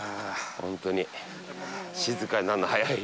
本当に静かになるの早い。